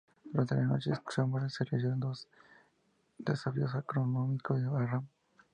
Durante la noche, Somerset recibió otros dos desafíos anacrónicos de Arran.